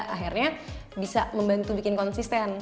akhirnya bisa membantu bikin konsisten